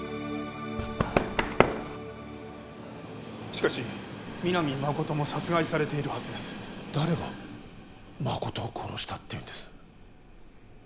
しかし皆実誠も殺害されているはずです誰が誠を殺したっていうんです？